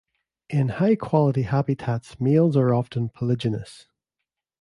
In high-quality habitats, males are often polygynous.